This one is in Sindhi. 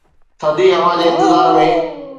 ٿڌي هوا جي انتظار ۾